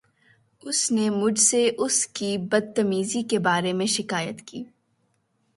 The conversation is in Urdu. اُس نے مجھ سے اس کی بد تمیزی کے بارے میں شکایت کی۔